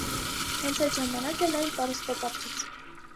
Հենց այդ ժամանակ էլ այն պարսպապատվեց։